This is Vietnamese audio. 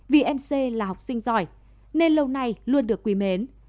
vì mc là học sinh giỏi nên lâu nay luôn được quý mến